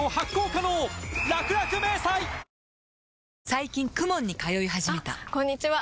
最近 ＫＵＭＯＮ に通い始めたあこんにちは！